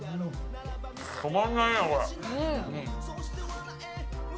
止まらないね、これ。